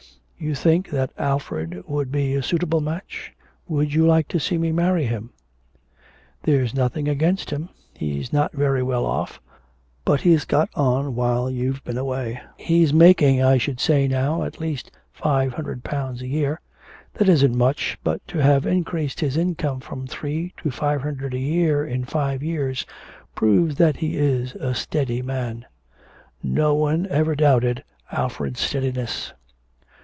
'You think that Alfred would be a suitable match? Would you like to see me marry him?' 'There's nothing against him; he's not very well off. But he's got on while you've been away. He's making, I should say now, at least 500 pounds a year. That isn't much, but to have increased his income from three to five hundred a year in five years proves that he is a steady man.' 'No one ever doubted Alfred's steadiness.'